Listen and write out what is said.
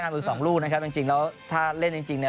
นำอยู่สองลูกนะครับจริงแล้วถ้าเล่นจริงเนี่ย